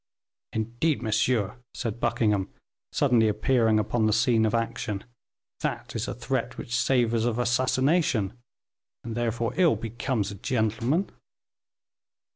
"Indeed, monsieur," said Buckingham, suddenly, appearing upon the scene of action, "that is a threat which savors of assassination, and therefore, ill becomes a gentleman."